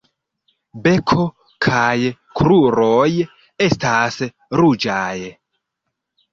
Beko kaj kruroj estas ruĝaj.